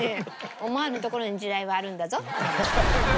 思わぬところに地雷はあるんだぞ。